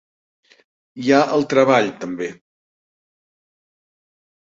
Hi ha el treball, també.